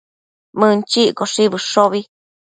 Mënchiccoshi bëshobi